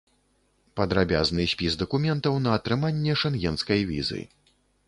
Падрабязны спіс дакументаў на атрыманне шэнгенскай візы.